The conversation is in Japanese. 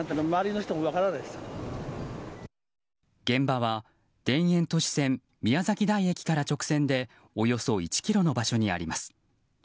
現場は田園都市線宮崎台駅から直線でおよそ１ｋｍの場所にあります。